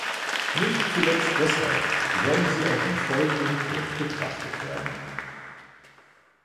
Nicht zuletzt deshalb sollen auch sie im Folgenden kurz betrachtet werden.